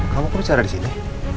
kamu kenapa ada disini